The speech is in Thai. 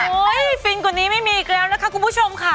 ฟินกว่านี้ไม่มีอีกแล้วนะคะคุณผู้ชมค่ะ